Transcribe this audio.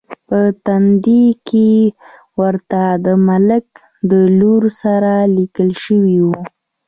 په تندي کې ورته د ملک د لور سره لیکل شوي و.